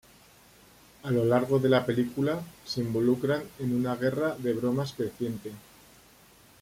A lo largo de la película, se involucran en una guerra de bromas creciente.